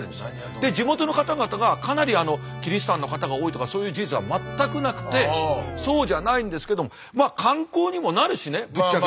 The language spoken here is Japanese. で地元の方々がかなりキリシタンの方が多いとかそういう事実は全くなくてそうじゃないんですけどもまあ観光にもなるしねぶっちゃけ。